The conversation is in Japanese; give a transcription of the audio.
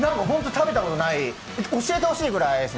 食べたことない教えてほしいくらいです。